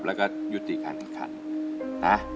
และก็หยุดตีการด้านข้าง